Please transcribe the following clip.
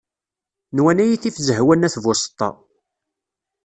Nwan ad iyi-tif Zehwa n At Buseṭṭa.